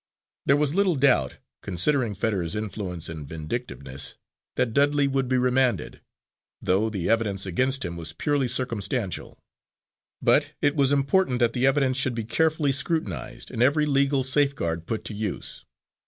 There was little doubt, considering Fetters's influence and vindictiveness, that Dudley would be remanded, though the evidence against him was purely circumstantial; but it was important that the evidence should be carefully scrutinised, and every legal safeguard put to use.